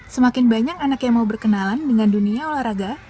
semakin banyak anak yang mau berkenalan dengan dunia olahraga